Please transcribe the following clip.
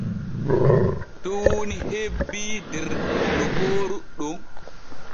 Tuuni hebbii der lokooru ɗon.